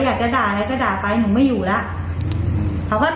อยากจะด่าอะไรก็ด่าไปหนูไม่อยู่แล้ว